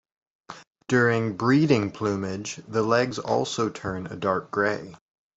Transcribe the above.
During breeding plumage the legs also turn a dark grey.